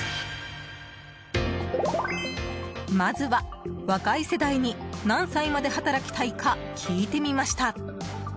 まずは、若い世代に何歳まで働きたいか聞いてみました。